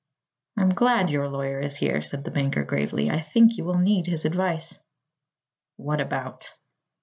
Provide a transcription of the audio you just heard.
"I'm glad your lawyer is here," said the banker gravely. "I think you will need his advice." "What about?"